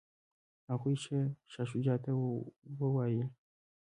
هغوی شاه شجاع ته وویل.